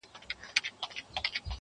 وځان ته بله زنده گي پيدا كړه